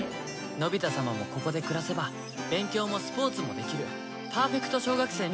のび太様もここで暮らせば勉強もスポーツもできるパーフェクト小学生になります。